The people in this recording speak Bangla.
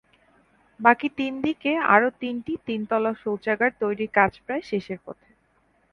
বাকি তিন দিকে আরও তিনটি তিনতলা শৌচাগার তৈরির কাজ প্রায় শেষের পথে।